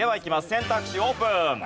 選択肢オープン。